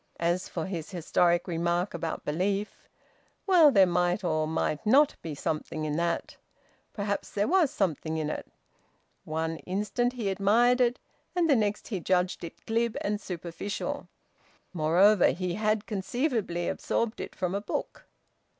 As for his historic remark about belief, well, there might or might not be something in that; perhaps there was something in it. One instant he admired it, and the next he judged it glib and superficial. Moreover, he had conceivably absorbed it from a book.